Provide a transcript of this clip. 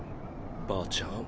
ばあちゃん。